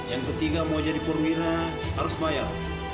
yang ketiga mau jadi perwira harus bayar